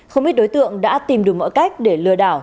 không biết đối tượng đã tìm được mọi cách để lừa đảo